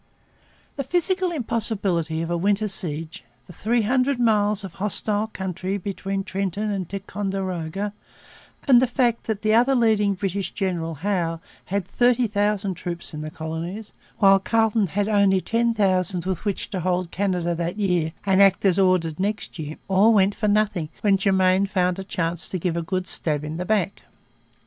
The physical impossibility of a winter siege, the three hundred miles of hostile country between Trenton and Ticonderoga, and the fact that the other leading British general, Howe, had thirty thousand troops in the Colonies, while Carleton had only ten thousand with which to hold Canada that year and act as ordered next year, all went for nothing when Germain found a chance to give a good stab in the back.